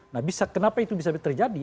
nah bisa kenapa itu bisa terjadi